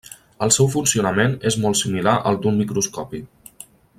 El seu funcionament és molt similar al d'un microscopi.